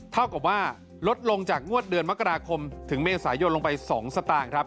เท่ากับว่าลดลงจากงวดเดือนมกราคมถึงเมษายนลงไป๒สตางค์ครับ